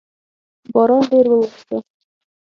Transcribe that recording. باران ډیر اووریدو